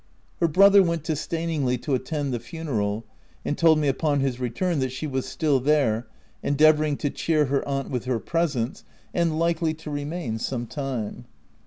Her brother went to Staningley to at tend the funeral, and told me, upon his return, that she was still there, endeavouring to cheer her aunt with her presence, and likely to re main some time.